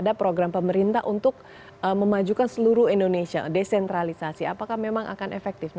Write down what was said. apakah desentralisasi indonesia akan efektif